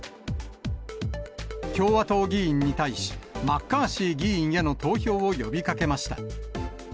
共和党議員に対し、マッカーシー議員への投票を呼びかけました。